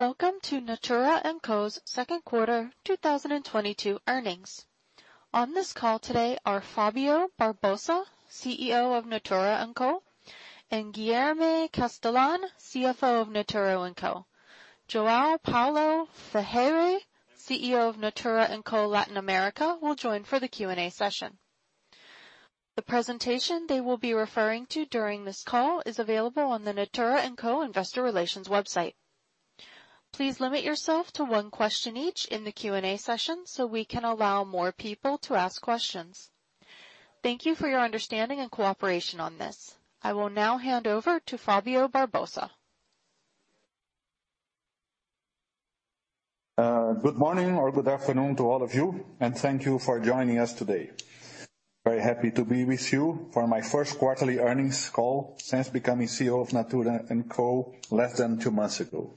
Welcome to Natura & Co's second quarter 2022 earnings. On this call today are Fábio Barbosa, CEO of Natura & Co, and Guilherme Castellan, CFO of Natura & Co. João Paulo Ferreira, CEO of Natura & Co Latin America, will join for the Q&A session. The presentation they will be referring to during this call is available on the Natura & Co investor relations website. Please limit yourself to one question each in the Q&A session, so we can allow more people to ask questions. Thank you for your understanding and cooperation on this. I will now hand over to Fábio Barbosa. Good morning or good afternoon to all of you, and thank you for joining us today. Very happy to be with you for my first quarterly earnings call since becoming CEO of Natura & Co less than two months ago.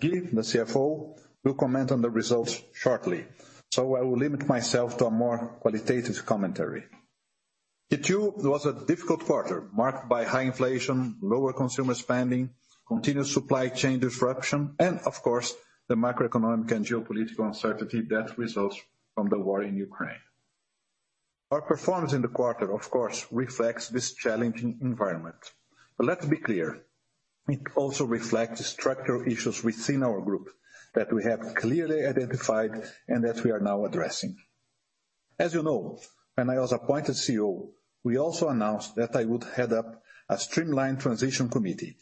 Gui, the CFO, will comment on the results shortly, so I will limit myself to a more qualitative commentary. Q2 was a difficult quarter, marked by high inflation, lower consumer spending, continuous supply chain disruption, and of course, the macroeconomic and geopolitical uncertainty that results from the war in Ukraine. Our performance in the quarter, of course, reflects this challenging environment. Let's be clear, it also reflects structural issues within our group that we have clearly identified and that we are now addressing. As you know, when I was appointed CEO, we also announced that I would head up a streamlined transition committee,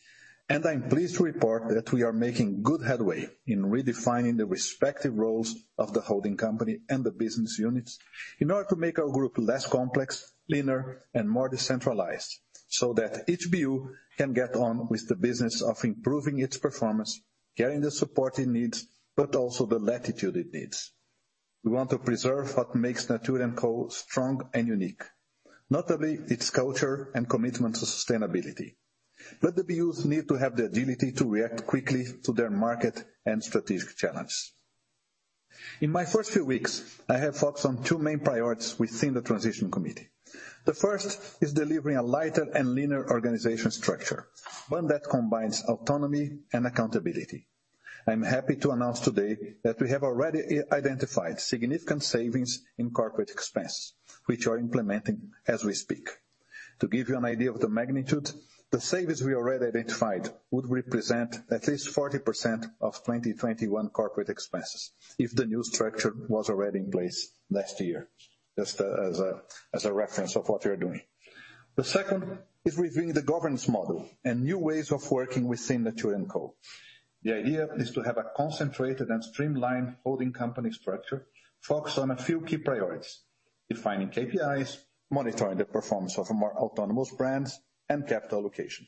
and I'm pleased to report that we are making good headway in redefining the respective roles of the holding company and the business units in order to make our group less complex, leaner, and more decentralized, so that each BU can get on with the business of improving its performance, getting the support it needs, but also the latitude it needs. We want to preserve what makes Natura & Co strong and unique, notably its culture and commitment to sustainability. The BUs need to have the agility to react quickly to their market and strategic challenge. In my first few weeks, I have focused on two main priorities within the transition committee. The first is delivering a lighter and leaner organizational structure, one that combines autonomy and accountability. I'm happy to announce today that we have already identified significant savings in corporate expense, which we are implementing as we speak. To give you an idea of the magnitude, the savings we already identified would represent at least 40% of 2021 corporate expenses if the new structure was already in place last year, just as a reference of what we're doing. The second is reviewing the governance model and new ways of working within Natura & Co. The idea is to have a concentrated and streamlined holding company structure focused on a few key priorities, defining KPIs, monitoring the performance of more autonomous brands, and capital allocation.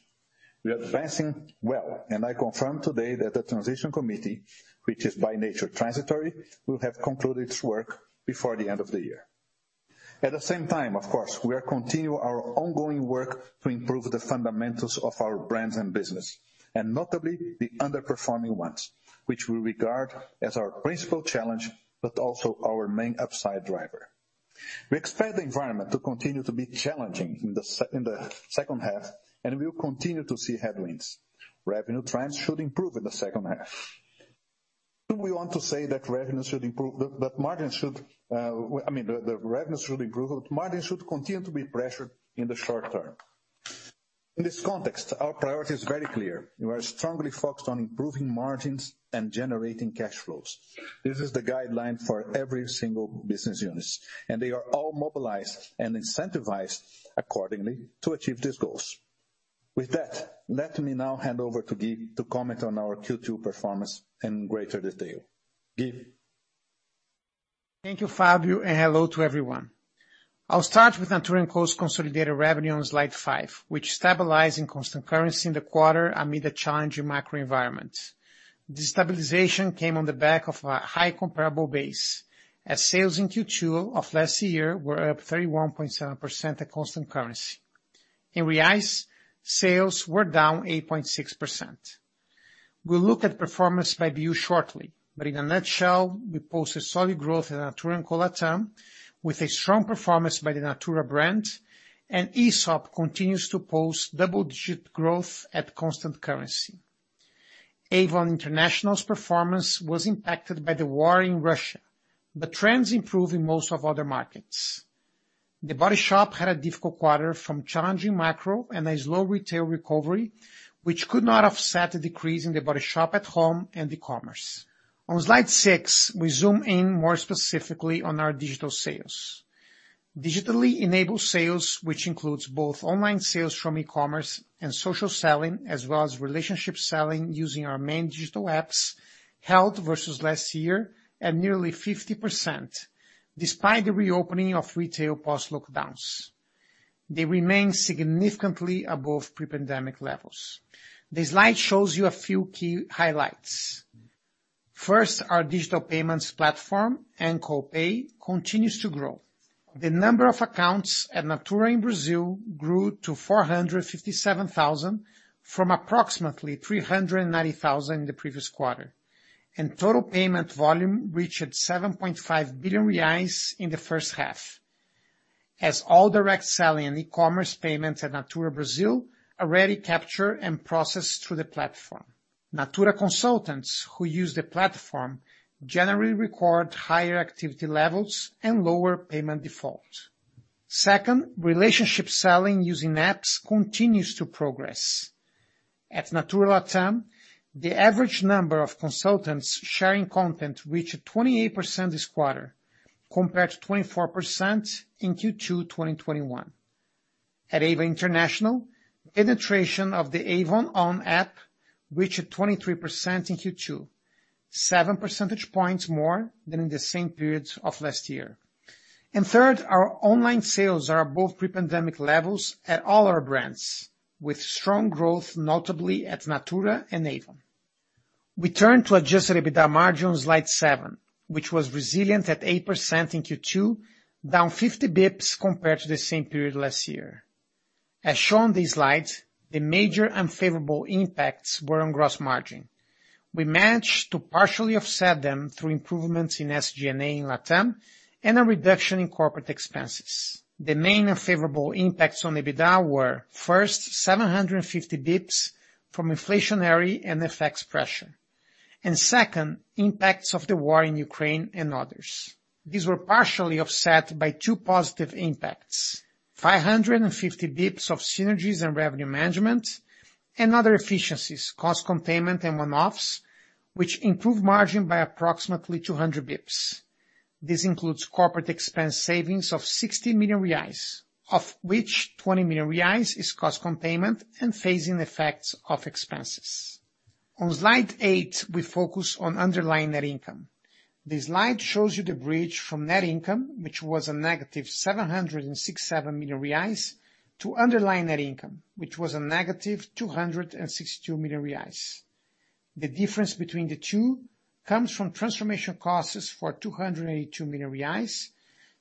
We are advancing well, and I confirm today that the transition committee, which is by nature transitory, will have concluded its work before the end of the year. At the same time, of course, we are continue our ongoing work to improve the fundamentals of our brands and business, and notably the underperforming ones, which we regard as our principal challenge, but also our main upside driver. We expect the environment to continue to be challenging in the second half, and we will continue to see headwinds. Revenue trends should improve in the second half. Two, we want to say that revenue should improve, but I mean, the revenue should improve, but margins should continue to be pressured in the short term. In this context, our priority is very clear. We are strongly focused on improving margins and generating cash flows. This is the guideline for every single business units, and they are all mobilized and incentivized accordingly to achieve these goals. With that, let me now hand over to Gui to comment on our Q2 performance in greater detail. Gui? Thank you, Fábio, and hello to everyone. I'll start with Natura & Co's consolidated revenue on slide 5, which stabilized in constant currency in the quarter amid a challenging macro environment. This stabilization came on the back of a high comparable base, as sales in Q2 of last year were up 31.7% at constant currency. In reais, sales were down 8.6%. We'll look at performance by view shortly, but in a nutshell, we posted solid growth in Natura & Co Latam with a strong performance by the Natura brand, and Aesop continues to post double-digit growth at constant currency. Avon International's performance was impacted by the war in Russia, but trends improve in most other markets. The Body Shop had a difficult quarter from challenging macro and a slow retail recovery, which could not offset the decrease in The Body Shop At Home and e-commerce. On slide 6, we zoom in more specifically on our digital sales. Digitally enabled sales, which includes both online sales from e-commerce and social selling, as well as relationship selling using our main digital apps, held versus last year at nearly 50%, despite the reopening of retail post-lockdowns. They remain significantly above pre-pandemic levels. The slide shows you a few key highlights. First, our digital payments platform, &Co Pay, continues to grow. The number of accounts at Natura in Brazil grew to 457,000 from approximately 390,000 the previous quarter. Total payment volume reached 7.5 billion reais in the first half. As all direct selling and e-commerce payments at Natura Brasil already capture and process through the platform. Natura consultants who use the platform generally record higher activity levels and lower payment default. Second, relationship selling using apps continues to progress. At Natura Latam, the average number of consultants sharing content reached 28% this quarter, compared to 24% in Q2 2021. At Avon International, penetration of the Avon ON app reached 23% in Q2, 7 percentage points more than in the same period of last year. Third, our online sales are above pre-pandemic levels at all our brands, with strong growth notably at Natura and Avon. We turn to adjusted EBITDA margin on slide 7, which was resilient at 8% in Q2, down 50 basis points compared to the same period last year. As shown in this slide, the major unfavorable impacts were on gross margin. We managed to partially offset them through improvements in SG&A in Latam and a reduction in corporate expenses. The main unfavorable impacts on EBITDA were, first, 750 basis points from inflationary and FX pressure. Second, impacts of the war in Ukraine and others. These were partially offset by two positive impacts, 550 basis points of synergies and revenue management and other efficiencies, cost containment and one-offs, which improved margin by approximately 200 basis points. This includes corporate expense savings of 60 million reais, of which 20 million reais is cost containment and phasing effects of expenses. On slide eight, we focus on underlying net income. This slide shows you the bridge from net income, which was -706.7 million reais, to underlying net income, which was -262 million reais. The difference between the two comes from transformation costs for 282 million reais,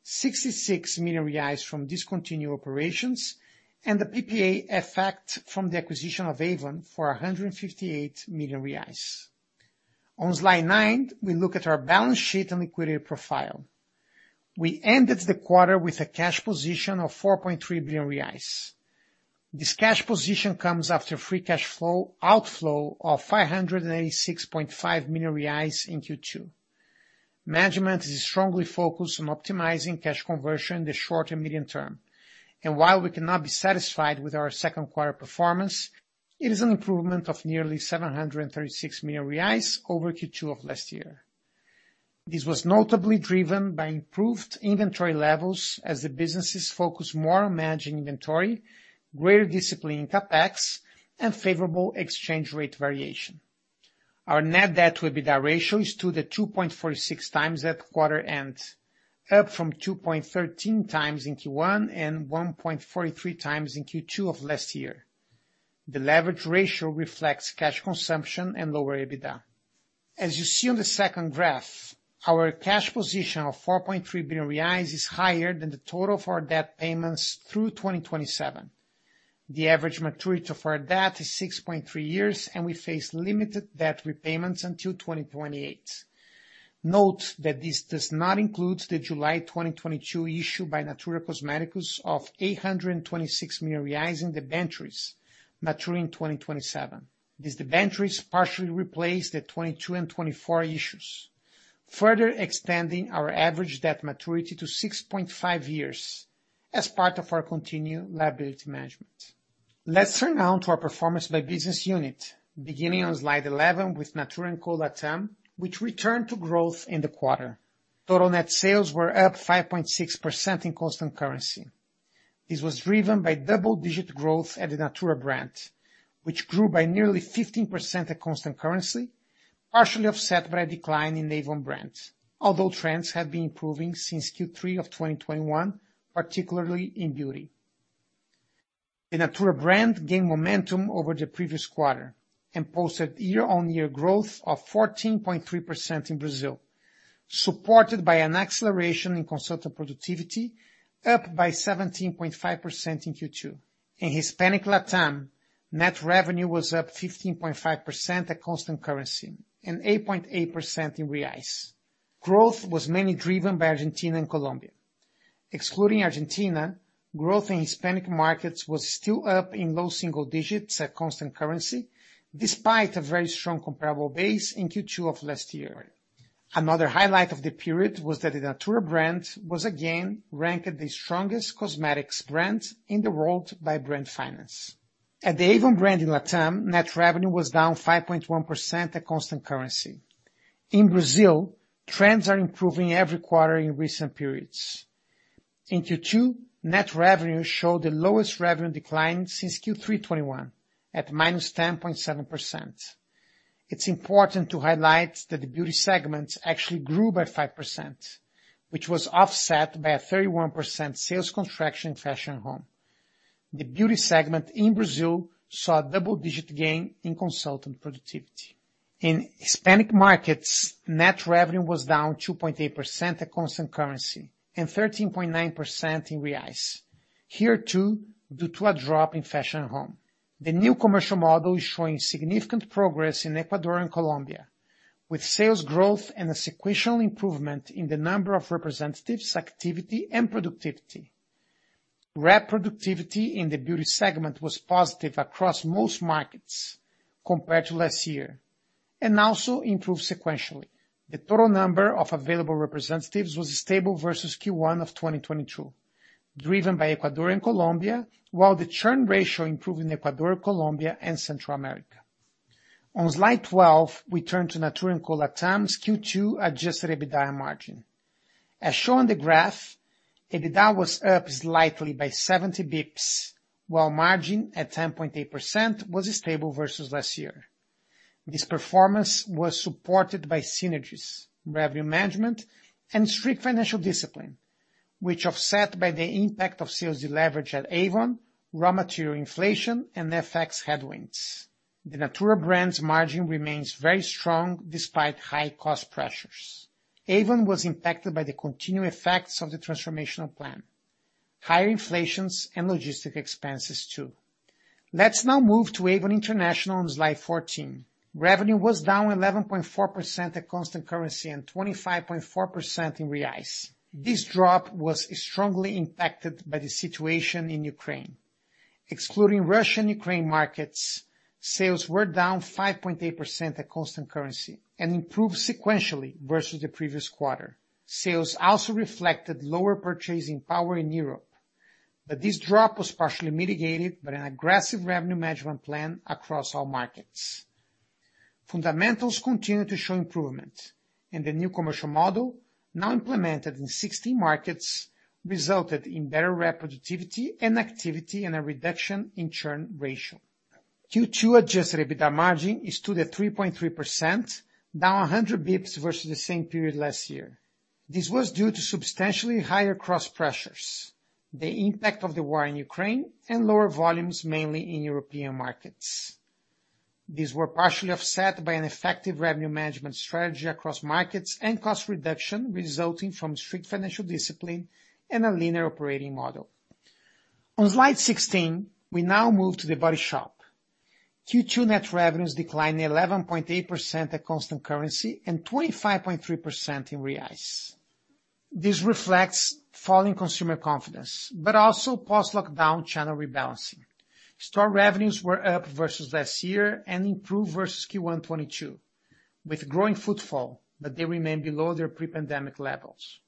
66 million reais from discontinued operations, and the PPA effect from the acquisition of Avon for 158 million reais. On slide nine, we look at our balance sheet and liquidity profile. We ended the quarter with a cash position of 4.3 billion reais. This cash position comes after free cash flow outflow of 586.5 million reais in Q2. Management is strongly focused on optimizing cash conversion in the short and medium term. While we cannot be satisfied with our second quarter performance, it is an improvement of nearly 736 million reais over Q2 of last year. This was notably driven by improved inventory levels as the businesses focus more on managing inventory, greater discipline in CapEx, and favorable exchange rate variation. Our net debt to EBITDA ratio stood at 2.46x at quarter end, up from 2.13x in Q1, and 1.43x in Q2 of last year. The leverage ratio reflects cash consumption and lower EBITDA. As you see on the second graph, our cash position of 4.3 billion reais is higher than the total of our debt payments through 2027. The average maturity of our debt is 6.3 years, and we face limited debt repayments until 2028. Note that this does not include the July 2022 issue by Natura Cosméticos of 826 million reais in debentures maturing 2027. These debentures partially replace the 2022 and 2024 issues, further expanding our average debt maturity to 6.5 years as part of our continued liability management. Let's turn now to our performance by business unit, beginning on slide 11 with Natura & Co Latam, which returned to growth in the quarter. Total net sales were up 5.6% in constant currency. This was driven by double-digit growth at the Natura brand, which grew by nearly 15% at constant currency, partially offset by a decline in Avon brand. Although trends have been improving since Q3 of 2021, particularly in beauty. The Natura brand gained momentum over the previous quarter and posted year-on-year growth of 14.3% in Brazil, supported by an acceleration in consultant productivity, up by 17.5% in Q2. In Hispanic Latam, net revenue was up 15.5% at constant currency and 8.8% in reais. Growth was mainly driven by Argentina and Colombia. Excluding Argentina, growth in Hispanic markets was still up in low single digits at constant currency, despite a very strong comparable base in Q2 of last year. Another highlight of the period was that the Natura brand was again ranked the strongest cosmetics brand in the world by Brand Finance. At the Avon brand in Latam, net revenue was down 5.1% at constant currency. In Brazil, trends are improving every quarter in recent periods. In Q2, net revenue showed the lowest revenue decline since Q3 2021 at -10.7%. It's important to highlight that the beauty segment actually grew by 5%, which was offset by a 31% sales contraction in Fashion and Home. The beauty segment in Brazil saw a double-digit gain in consultant productivity. In Hispanic markets, net revenue was down 2.8% at constant currency and 13.9% in reais. Here too, due to a drop in Fashion and Home. The new commercial model is showing significant progress in Ecuador and Colombia. With sales growth and a sequential improvement in the number of representatives, activity and productivity. Rep productivity in the beauty segment was positive across most markets compared to last year, and also improved sequentially. The total number of available representatives was stable versus Q1 of 2022, driven by Ecuador and Colombia, while the churn ratio improved in Ecuador, Colombia and Central America. On slide 12, we turn to Natura & Co Latam's Q2 adjusted EBITDA margin. As shown on the graph, EBITDA was up slightly by 70 basis points, while margin at 10.8% was stable versus last year. This performance was supported by synergies, revenue management and strict financial discipline, which offset by the impact of sales deleverage at Avon, raw material inflation and FX headwinds. The Natura brand's margin remains very strong despite high cost pressures. Avon was impacted by the continuing effects of the transformational plan, higher inflations and logistic expenses too. Let's now move to Avon International on slide 14. Revenue was down 11.4% at constant currency and 25.4% in reais. This drop was strongly impacted by the situation in Ukraine. Excluding Russian and Ukraine markets, sales were down 5.8% at constant currency and improved sequentially versus the previous quarter. Sales also reflected lower purchasing power in Europe, but this drop was partially mitigated by an aggressive revenue management plan across all markets. Fundamentals continue to show improvement and the new commercial model, now implemented in 16 markets, resulted in better rep productivity and activity and a reduction in churn ratio. Q2 adjusted EBITDA margin stood at 3.3%, down 100 basis points versus the same period last year. This was due to substantially higher cost pressures, the impact of the war in Ukraine and lower volumes mainly in European markets. These were partially offset by an effective revenue management strategy across markets and cost reduction resulting from strict financial discipline and a leaner operating model. On slide 16, we now move to The Body Shop. Q2 net revenues declined 11.8% at constant currency and 25.3% in reais. This reflects falling consumer confidence, but also post-lockdown channel rebalancing. Store revenues were up versus last year and improved versus Q1 2022, with growing footfall, but they remain below their pre-pandemic levels.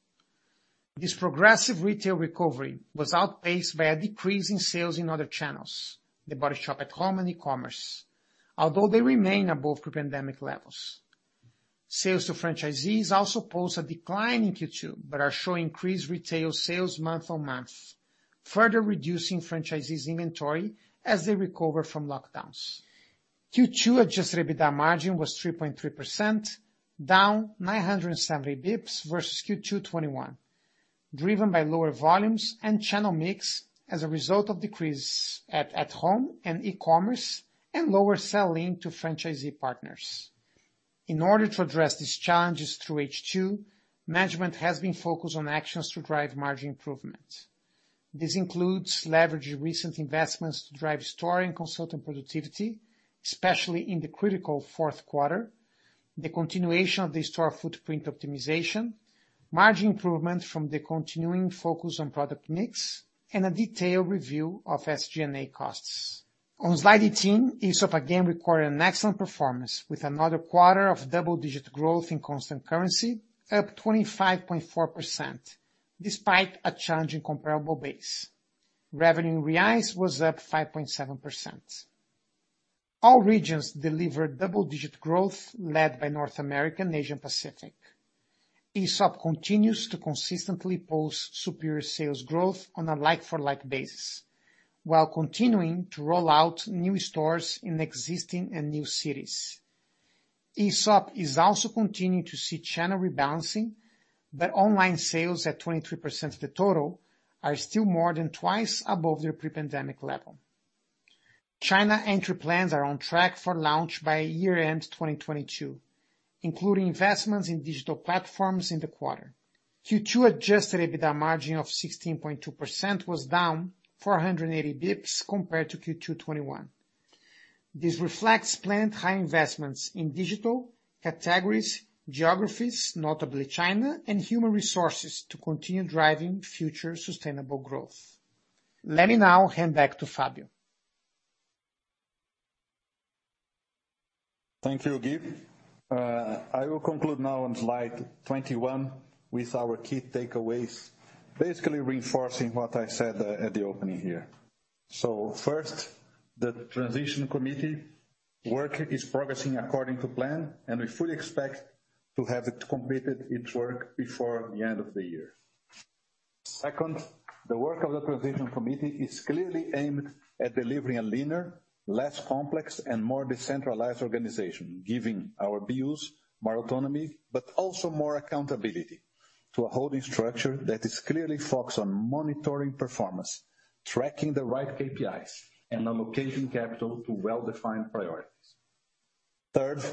This progressive retail recovery was outpaced by a decrease in sales in other channels, The Body Shop At Home and e-commerce, although they remain above pre-pandemic levels. Sales to franchisees also posed a decline in Q2, but are showing increased retail sales month-on-month, further reducing franchisees' inventory as they recover from lockdowns. Q2 adjusted EBITDA margin was 3.3%, down 970 bps versus Q2 2021, driven by lower volumes and channel mix as a result of decreases at home and e-commerce and lower sell-in to franchisee partners. In order to address these challenges through H2, management has been focused on actions to drive margin improvement. This includes leveraging recent investments to drive store and consultant productivity, especially in the critical fourth quarter, the continuation of the store footprint optimization, margin improvement from the continuing focus on product mix, and a detailed review of SG&A costs. On slide 18, Aesop again recorded an excellent performance with another quarter of double-digit growth in constant currency, up 25.4%, despite a challenging comparable base. Revenue in reais was up 5.7%. All regions delivered double-digit growth led by North America, Asia Pacific. Aesop continues to consistently post superior sales growth on a like-for-like basis, while continuing to roll out new stores in existing and new cities. Aesop is also continuing to see channel rebalancing, but online sales at 23% of the total are still more than twice above their pre-pandemic level. China entry plans are on track for launch by year-end 2022, including investments in digital platforms in the quarter. Q2 adjusted EBITDA margin of 16.2% was down 480 basis points compared to Q2 2021. This reflects planned high investments in digital, categories, geographies, notably China, and human resources to continue driving future sustainable growth. Let me now hand back to Fábio. Thank you, Gui. I will conclude now on slide 21 with our key takeaways, basically reinforcing what I said at the opening here. First, the transition committee work is progressing according to plan, and we fully expect to have it completed its work before the end of the year. Second, the work of the transition committee is clearly aimed at delivering a leaner, less complex and more decentralized organization, giving our BUs more autonomy, but also more accountability to a holding structure that is clearly focused on monitoring performance, tracking the right KPIs and allocating capital to well-defined priorities. Third,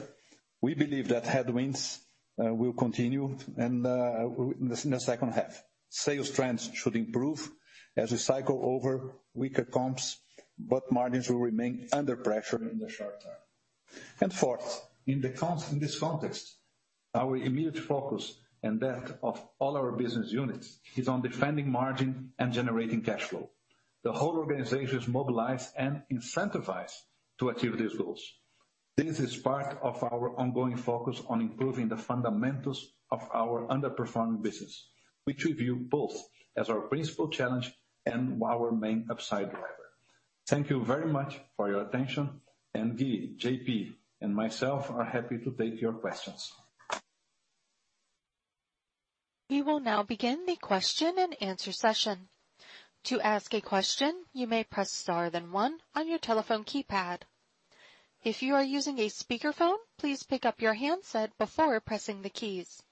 we believe that headwinds will continue and in the second half. Sales trends should improve as we cycle over weaker comps, but margins will remain under pressure in the short term. Fourth, in this context, our immediate focus, and that of all our business units, is on defending margin and generating cash flow. The whole organization is mobilized and incentivized to achieve these goals. This is part of our ongoing focus on improving the fundamentals of our underperforming business, which we view both as our principal challenge and our main upside driver. Thank you very much for your attention, and Gui, JP, and myself are happy to take your questions. We will now begin the question and answer session. To ask a question, you may press star then one on your telephone keypad. If you are using a speakerphone, please pick up your handset before pressing the keys.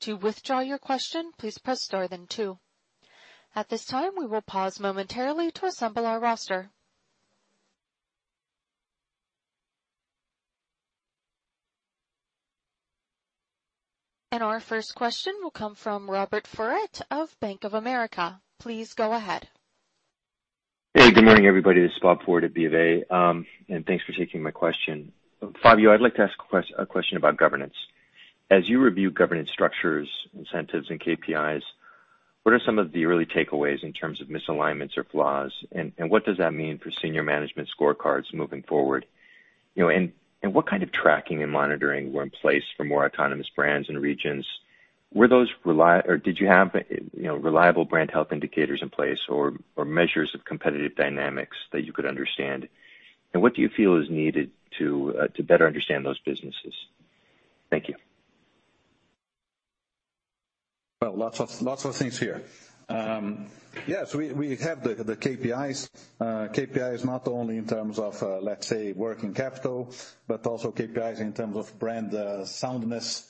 To withdraw your question, please press star then two. At this time, we will pause momentarily to assemble our roster. Our first question will come from Robert Ford of Bank of America. Please go ahead. Hey, good morning everybody, this is Bob Ford at BofA. Thanks for taking my question. Fábio, I'd like to ask a question about governance. As you review governance structures, incentives and KPIs, what are some of the early takeaways in terms of misalignments or flaws? And what does that mean for senior management scorecards moving forward? You know, and what kind of tracking and monitoring were in place for more autonomous brands and regions? Were those, or did you have, you know, reliable brand health indicators in place or measures of competitive dynamics that you could understand? And what do you feel is needed to better understand those businesses? Thank you. Well, lots of things here. Yes, we have the KPIs. KPIs not only in terms of, let's say, working capital, but also KPIs in terms of brand soundness,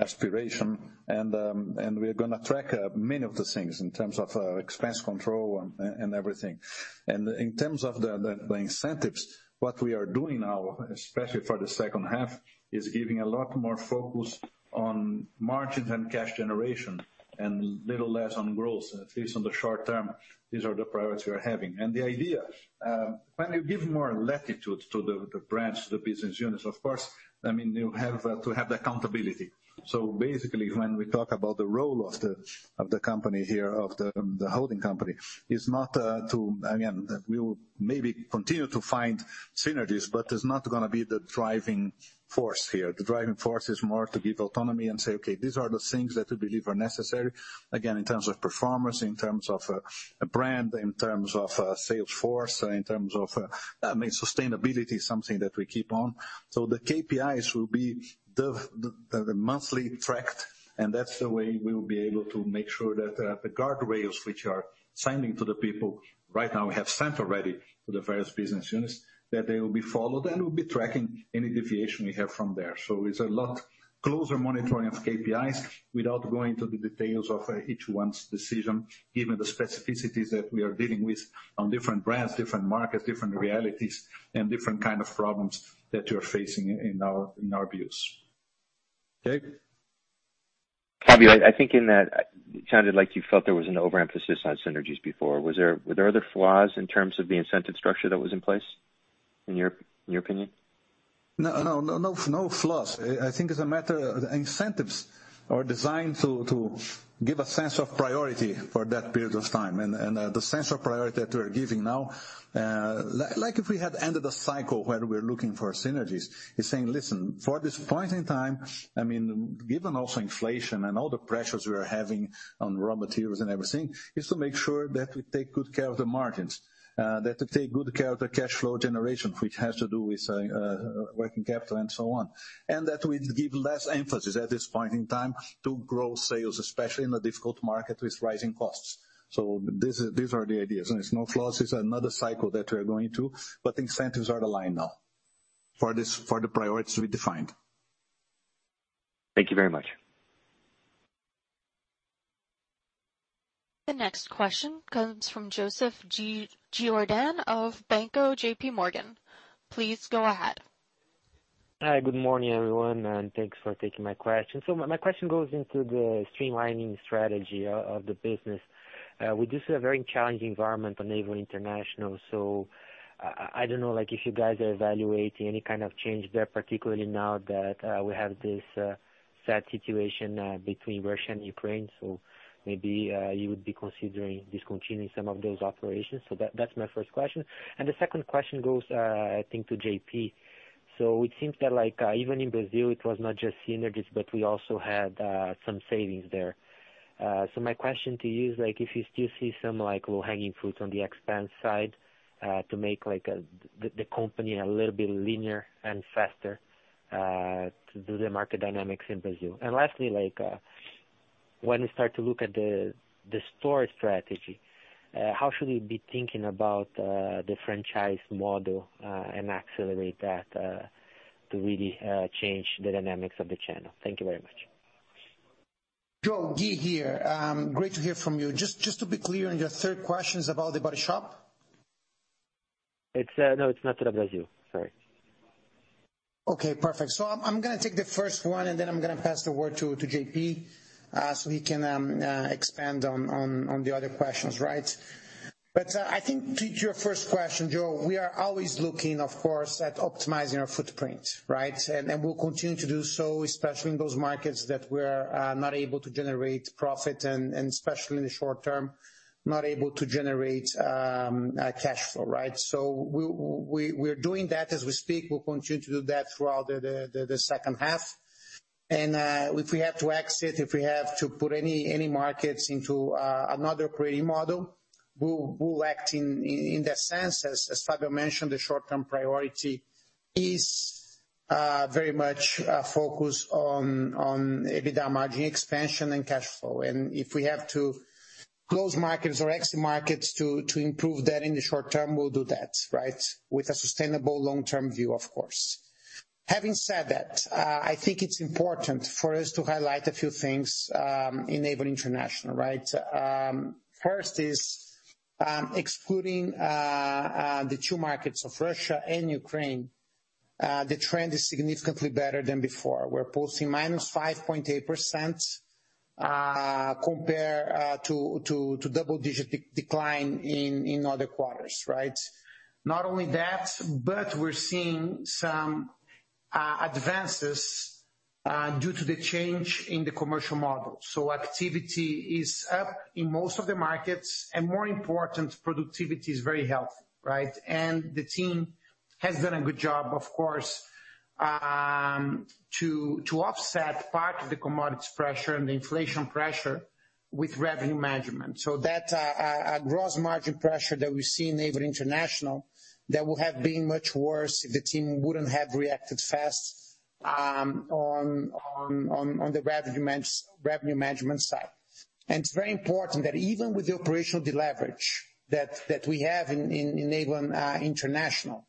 aspiration. We're gonna track many of these things in terms of expense control and everything. In terms of the incentives, what we are doing now, especially for the second half, is giving a lot more focus on margins and cash generation, and little less on growth, at least in the short term. These are the priorities we are having. The idea, when you give more latitude to the brands, the business units, of course, I mean, you have to have the accountability. Basically, when we talk about the role of the holding company, it's not to. Again, we will maybe continue to find synergies, but it's not gonna be the driving force here. The driving force is more to give autonomy and say, "Okay, these are the things that we believe are necessary." Again, in terms of performance, in terms of brand, in terms of sales force, in terms of, I mean, sustainability is something that we keep on. The KPIs will be the monthly tracked, and that's the way we will be able to make sure that the guardrails which are sending to the people right now, we have sent already to the various business units, that they will be followed, and we'll be tracking any deviation we have from there. It's a lot closer monitoring of KPIs without going to the details of each one's decision, given the specificities that we are dealing with on different brands, different markets, different realities, and different kind of problems that you're facing in our views. Okay? Fábio, I think in that it sounded like you felt there was an overemphasis on synergies before. Were there other flaws in terms of the incentive structure that was in place in your opinion? No flaws. I think incentives are designed to give a sense of priority for that period of time. The sense of priority that we're giving now, like if we had ended the cycle where we're looking for synergies, is saying, "Listen, for this point in time," I mean, given also inflation and all the pressures we are having on raw materials and everything, is to make sure that we take good care of the margins. That we take good care of the cash flow generation, which has to do with working capital and so on. That we give less emphasis at this point in time to grow sales, especially in a difficult market with rising costs. This is, these are the ideas. It's not flaws, it's another cycle that we are going through, but the incentives are aligned now for this, for the priorities we defined. Thank you very much. The next question comes from Joseph Giordano of Banco J.P. Morgan. Please go ahead. Hi, good morning, everyone, and thanks for taking my question. My question goes into the streamlining strategy of the business. We do see a very challenging environment on Avon International, so I don't know, like, if you guys are evaluating any kind of change there, particularly now that we have this sad situation between Russia and Ukraine. Maybe you would be considering discontinuing some of those operations. That's my first question. The second question goes, I think to JP. It seems that, like, even in Brazil it was not just synergies, but we also had some savings there. My question to you is, like, if you still see some, like, low-hanging fruits on the expense side, to make the company a little bit leaner and faster, to match the market dynamics in Brazil. Lastly, like, when we start to look at the store strategy, how should we be thinking about the franchise model and accelerate that to really change the dynamics of the channel? Thank you very much. Joe, Guy here. Great to hear from you. Just to be clear on your third questions about The Body Shop. No, it's not. Okay, perfect. I'm gonna take the first one, and then I'm gonna pass the word to JP, so he can expand on the other questions, right? I think to your first question, Joe, we are always looking, of course, at optimizing our footprint, right? We'll continue to do so, especially in those markets that we're not able to generate profit and especially in the short term, not able to generate cash flow, right? We're doing that as we speak. We'll continue to do that throughout the second half. If we have to exit, if we have to put any markets into another trading model, we'll act in that sense. Fábio mentioned, the short-term priority is very much focused on EBITDA margin expansion and cash flow. If we have to close markets or exit markets to improve that in the short term, we'll do that, right? With a sustainable long-term view, of course. Having said that, I think it's important for us to highlight a few things in Avon International, right? First, excluding the two markets of Russia and Ukraine, the trend is significantly better than before. We're posting -5.8% compared to double-digit decline in other quarters, right? Not only that, but we're seeing some advances due to the change in the commercial model. Activity is up in most of the markets, and more important, productivity is very healthy, right? The team has done a good job, of course, to offset part of the commodities pressure and the inflation pressure with revenue management. That gross margin pressure that we see in Avon International would have been much worse if the team wouldn't have reacted fast on the revenue management side. It's very important that even with the operational deleverage that we have in Avon International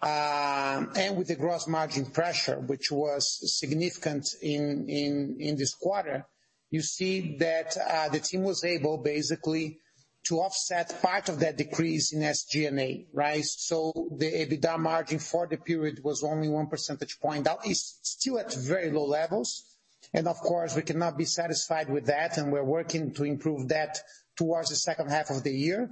and with the gross margin pressure, which was significant in this quarter, you see that the team was able basically to offset part of that decrease in SG&A, right? The EBITDA margin for the period was only 1 percentage point. That is still at very low levels, and of course, we cannot be satisfied with that, and we're working to improve that towards the second half of the year,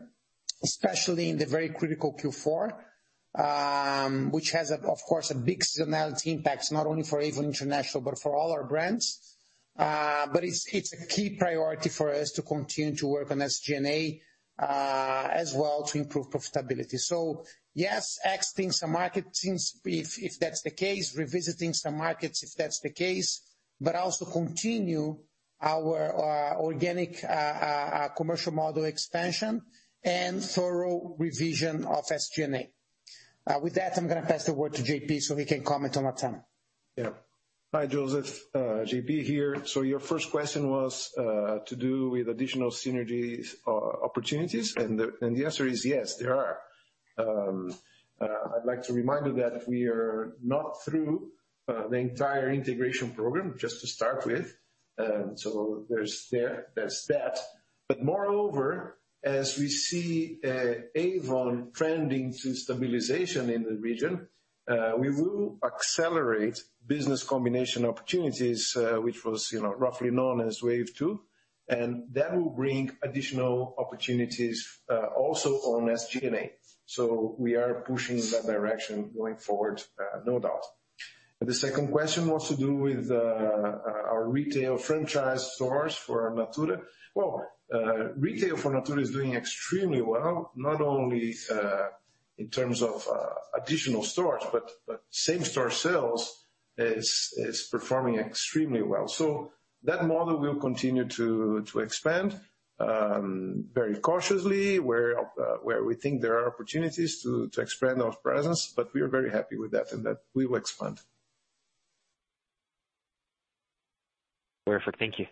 especially in the very critical Q4, which has, of course, a big seasonality impact, not only for Avon International, but for all our brands. It's a key priority for us to continue to work on SG&A as well to improve profitability. Yes, exiting some markets if that's the case, revisiting some markets if that's the case, but also continue our organic commercial model expansion and thorough revision of SG&A. With that, I'm gonna pass the word to JP so he can comment on Latam. Yeah. Hi, Joseph. JP here. Your first question was to do with additional synergies opportunities, and the answer is yes, there are. I'd like to remind you that we are not through the entire integration program, just to start with. There's that. But moreover, as we see Avon trending to stabilization in the region, we will accelerate business combination opportunities, which was, you know, roughly known as Wave 2, and that will bring additional opportunities also on SG&A. We are pushing in that direction going forward, no doubt. The second question was to do with our retail franchise stores for Natura. Well, retail for Natura is doing extremely well, not only in terms of additional stores, but same store sales is performing extremely well. That model will continue to expand very cautiously, where we think there are opportunities to expand our presence. We are very happy with that and that we will expand. Perfect. Thank you.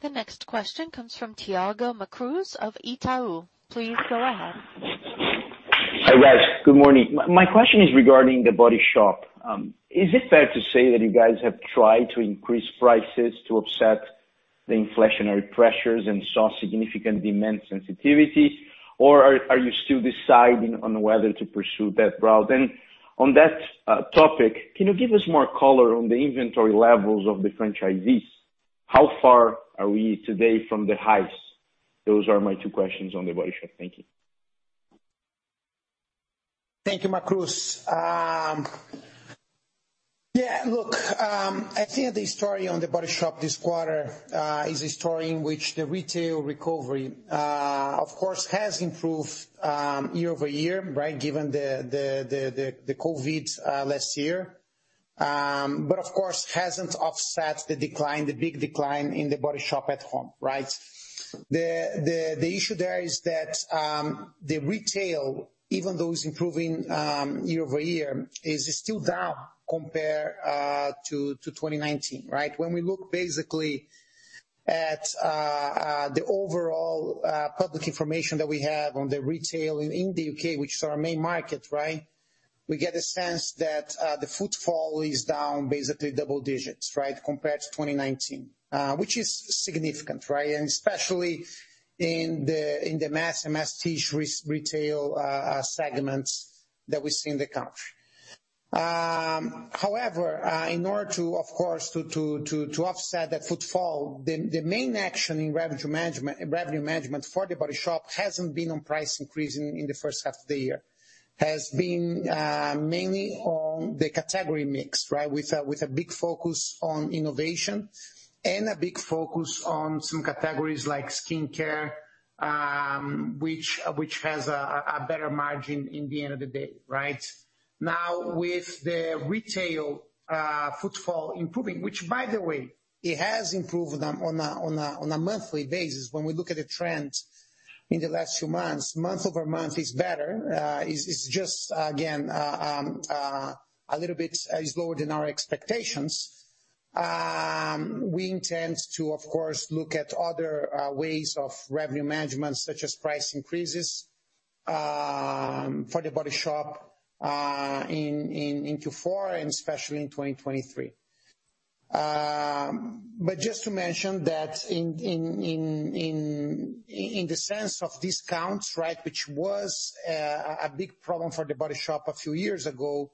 The next question comes from Thiago Macruz of Itaú. Please go ahead. Hi, guys. Good morning. My question is regarding The Body Shop. Is it fair to say that you guys have tried to increase prices to offset the inflationary pressures and saw significant demand sensitivity? Or are you still deciding on whether to pursue that route? On that topic, can you give us more color on the inventory levels of the franchisees? How far are we today from the highs? Those are my two questions on The Body Shop. Thank you. Thank you, Macruz. Yeah, look, I think the story on The Body Shop this quarter is a story in which the retail recovery, of course, has improved year over year, right? Given the COVID last year. But of course, hasn't offset the decline, the big decline in The Body Shop At Home, right? The issue there is that the retail, even though it's improving year over year, is still down compared to 2019, right? When we look basically at the overall public information that we have on the retail in the UK, which is our main market, right? We get a sense that the footfall is down basically double digits, right? Compared to 2019. Which is significant, right? Especially in the masstige retail segments that we see in the country. However, in order to, of course, offset that footfall, the main action in revenue management for The Body Shop hasn't been on price increasing in the first half of the year. Has been mainly on the category mix, right? With a big focus on innovation and a big focus on some categories like skincare, which has a better margin in the end of the day, right? Now, with the retail footfall improving, which by the way, it has improved on a monthly basis when we look at the trends in the last few months, month-over-month is better. It's just again a little bit lower than our expectations. We intend to, of course, look at other ways of revenue management such as price increases for The Body Shop in Q4, and especially in 2023. Just to mention that in the sense of discounts, right? Which was a big problem for The Body Shop a few years ago,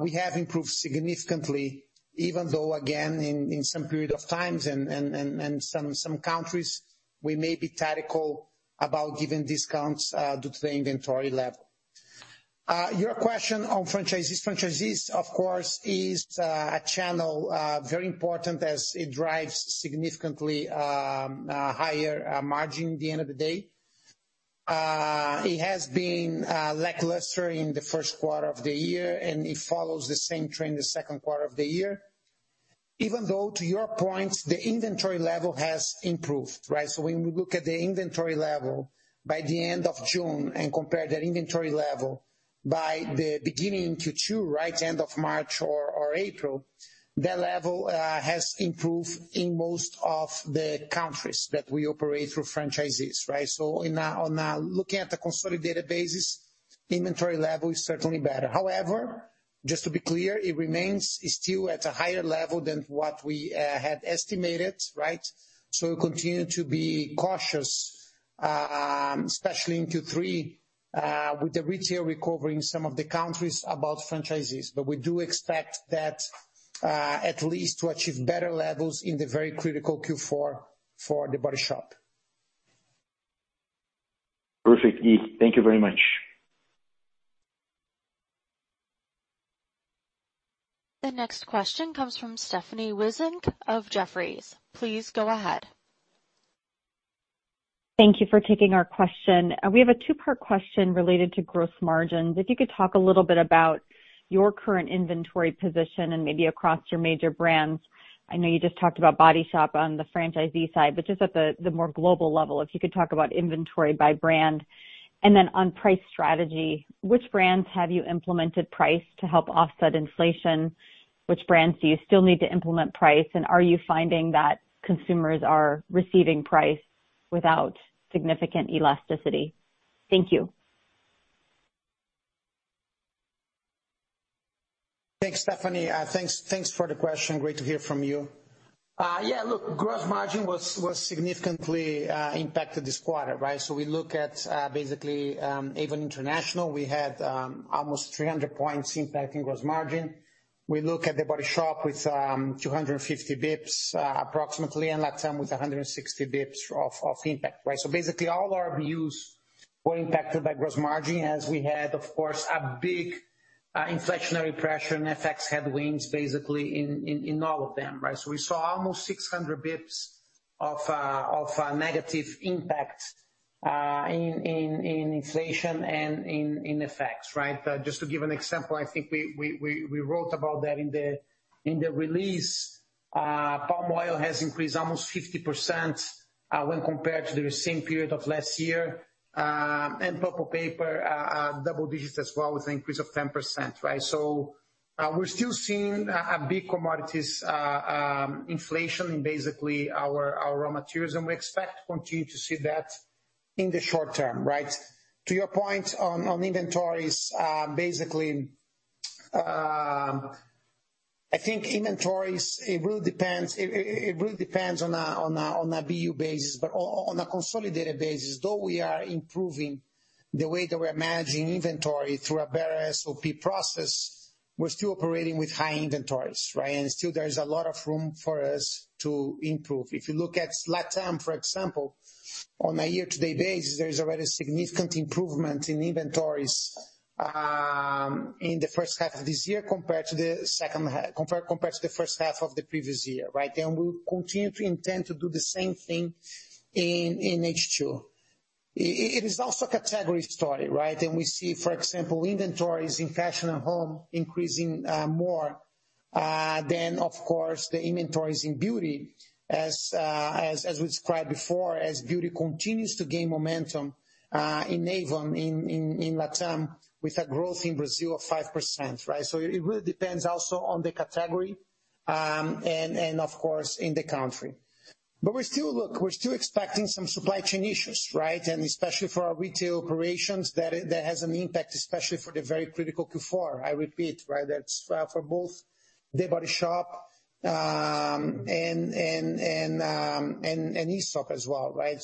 we have improved significantly, even though, again, in some periods of time and some countries we may be tactical about giving discounts due to the inventory level. Your question on franchisees. Franchisees, of course, is a channel very important as it drives significantly higher margin at the end of the day. It has been lackluster in the first quarter of the year, and it follows the same trend the second quarter of the year. Even though, to your point, the inventory level has improved, right? When we look at the inventory level by the end of June and compare that inventory level by the beginning in Q2, right, end of March or April. That level has improved in most of the countries that we operate through franchisees, right? Looking at the consolidated basis, inventory level is certainly better. However, just to be clear, it remains still at a higher level than what we had estimated, right? We continue to be cautious, especially in Q3, with the retail recovering in some of the countries about franchisees. We do expect that, at least to achieve better levels in the very critical Q4 for The Body Shop. Perfect, Gui. Thank you very much. The next question comes from Stephanie Wissink of Jefferies. Please go ahead. Thank you for taking our question. We have a two-part question related to growth margins. If you could talk a little bit about your current inventory position and maybe across your major brands. I know you just talked about Body Shop on the franchisee side, but just at the more global level. If you could talk about inventory by brand. Then on price strategy, which brands have you implemented price to help offset inflation? Which brands do you still need to implement price, and are you finding that consumers are receiving price without significant elasticity? Thank you. Thanks, Stephanie. Thanks for the question. Great to hear from you. Yeah, look, gross margin was significantly impacted this quarter, right? We look at basically Avon International. We had almost 300 points impacting gross margin. We look at The Body Shop with 250 basis points approximately, and Latam with 160 basis points of impact, right? Basically, all our units were impacted by gross margin as we had, of course, a big inflationary pressure and FX headwinds, basically in all of them, right? We saw almost 600 basis points of negative impact in inflation and in FX, right? Just to give an example, I think we wrote about that in the release. Palm oil has increased almost 50% when compared to the same period of last year. Print and Paper double digits as well with an increase of 10%, right? We're still seeing a big commodity inflation in basically our raw materials, and we expect to continue to see that in the short term, right? To your point on inventories, basically, I think inventories, it really depends. It really depends on a BU basis. But on a consolidated basis, though we are improving the way that we're managing inventory through a better SOP process, we're still operating with high inventories, right? Still there is a lot of room for us to improve. If you look at Latam, for example, on a year-to-date basis, there is already significant improvement in inventories in the first half of this year compared to the first half of the previous year, right? We'll continue to intend to do the same thing in H2. It is also a category story, right? We see, for example, inventories in fashion and home increasing more than of course the inventories in beauty. As we described before, as beauty continues to gain momentum in Avon in Latam, with a growth in Brazil of 5%, right? It really depends also on the category and of course in the country. We're still expecting some supply chain issues, right? Especially for our retail operations that has an impact, especially for the very critical Q4. I repeat, right, that's for both The Body Shop and Aesop as well, right?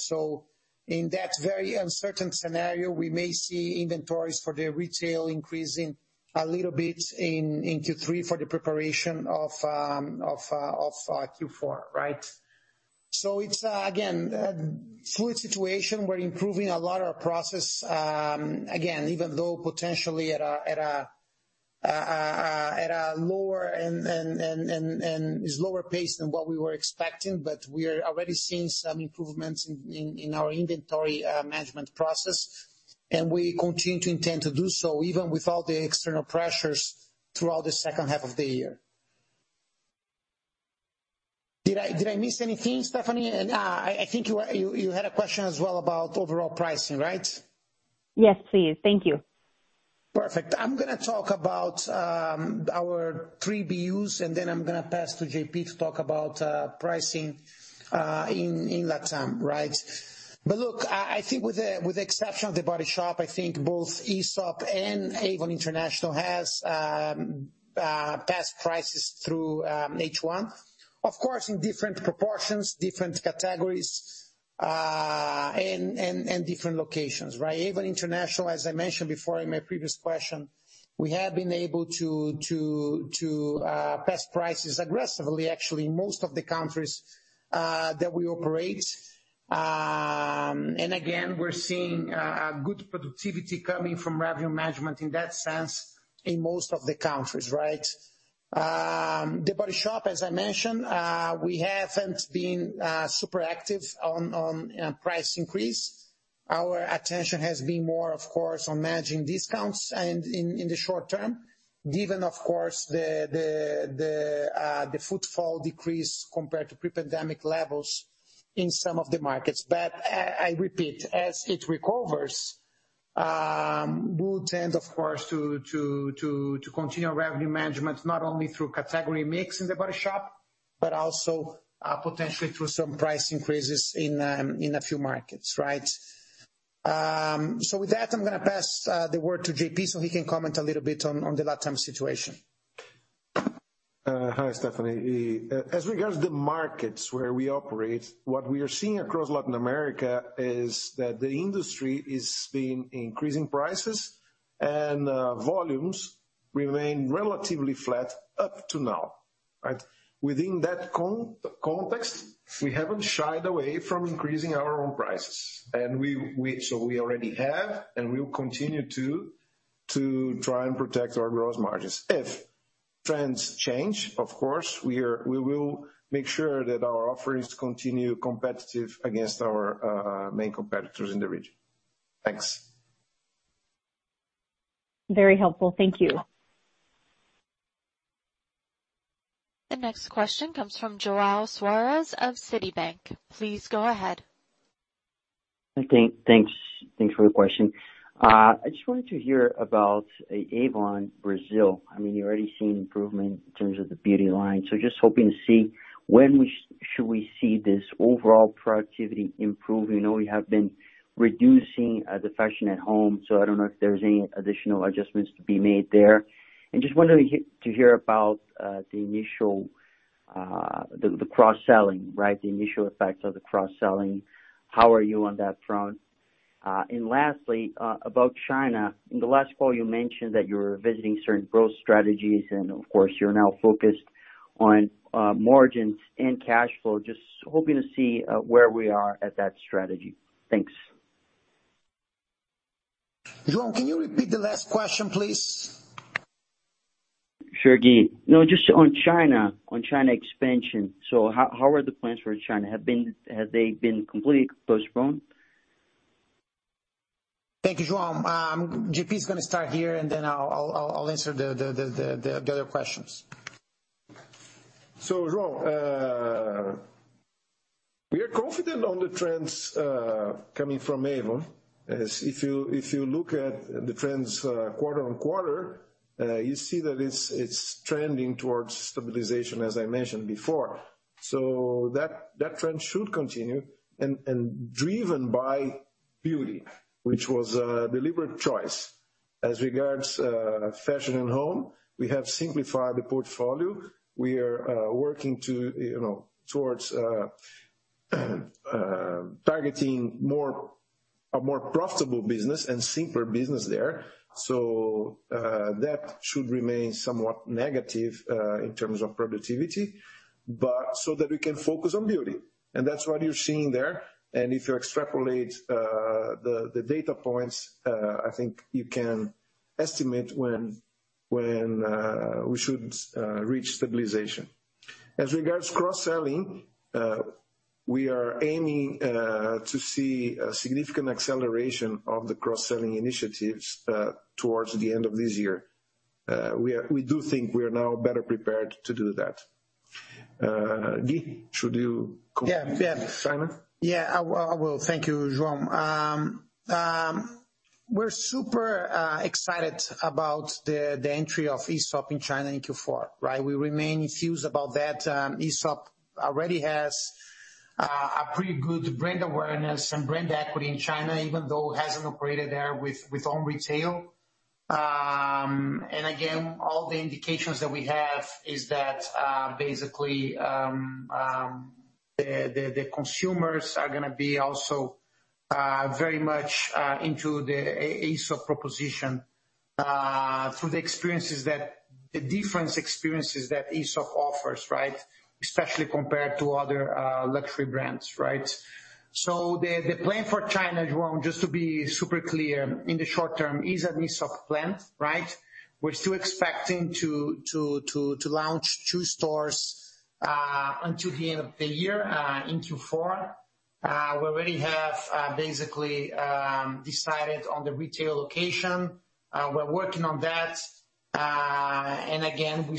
In that very uncertain scenario, we may see inventories for the retail increasing a little bit in Q3 for the preparation of Q4, right? It's again a fluid situation. We're improving a lot of process again, even though potentially at a lower pace than what we were expecting. We are already seeing some improvements in our inventory management process. We continue to intend to do so, even with all the external pressures throughout the second half of the year. Did I miss anything, Stephanie? I think you had a question as well about overall pricing, right? Yes, please. Thank you. Perfect. I'm gonna talk about our three BUs, and then I'm gonna pass to JP to talk about pricing in Latam, right? Look, I think with the exception of The Body Shop, I think both Aesop and Avon International has passed prices through H1. Of course, in different proportions, different categories, and different locations, right? Avon International, as I mentioned before in my previous question, we have been able to pass prices aggressively, actually, in most of the countries that we operate. The Body Shop, as I mentioned, we haven't been super active on price increase. Our attention has been more, of course, on managing discounts and in the short term, given, of course, the footfall decrease compared to pre-pandemic levels in some of the markets. I repeat, as it recovers, we'll tend, of course, to continue revenue management, not only through category mix in The Body Shop, but also potentially through some price increases in a few markets, right? With that, I'm gonna pass the word to JP so he can comment a little bit on the LatAm situation. Hi, Stephanie. As regards to the markets where we operate, what we are seeing across Latin America is that the industry is seeing increasing prices and volumes remain relatively flat up to now, right? Within that context, we haven't shied away from increasing our own prices. We already have and we will continue to try and protect our gross margins. If trends change, of course, we will make sure that our offerings continue competitive against our main competitors in the region. Thanks. Very helpful. Thank you. The next question comes from João Soares of Citibank. Please go ahead. Okay, thanks. Thanks for the question. I just wanted to hear about Avon Brazil. I mean, you're already seeing improvement in terms of the beauty line. Just hoping to see when we should see this overall productivity improve. We know you have been reducing the Fashion and Home, so I don't know if there's any additional adjustments to be made there. Just wanted to hear about the initial cross-selling, right? The initial effects of the cross-selling. How are you on that front? Lastly, about China. In the last call you mentioned that you were revisiting certain growth strategies, and of course, you're now focused on margins and cash flow. Just hoping to see where we are at that strategy. Thanks. João, can you repeat the last question, please? Sure, Gui. No, just on China expansion. How are the plans for China? Have they been completely postponed? Thank you, João. J.P. is gonna start here, and then I'll answer the other questions. João, we are confident on the trends coming from Avon. As if you look at the trends quarter-over-quarter, you see that it's trending towards stabilization, as I mentioned before. That trend should continue and driven by beauty, which was a deliberate choice. As regards Fashion & Home, we have simplified the portfolio. We are working, you know, towards targeting a more profitable business and simpler business there. That should remain somewhat negative in terms of productivity, but so that we can focus on beauty. That's what you're seeing there. If you extrapolate the data points, I think you can estimate when we should reach stabilization. As regards cross-selling, we are aiming to see a significant acceleration of the cross-selling initiatives toward the end of this year. We do think we are now better prepared to do that. Gui, should you comment? Yeah. Yeah. -Simon? Yeah, I will. Thank you, João. We're super excited about the entry of Aesop in China in Q4, right? We remain enthused about that. Aesop already has a pretty good brand awareness and brand equity in China, even though it hasn't operated there with own retail. And again, all the indications that we have is that basically the consumers are gonna be also very much into the Aesop proposition through the different experiences that Aesop offers, right? Especially compared to other luxury brands, right? So the plan for China, João, just to be super clear, in the short term is an Aesop plan, right? We're still expecting to launch two stores until the end of the year in Q4. We already have basically decided on the retail location. We're working on that. We